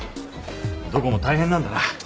どこも大変なんだな。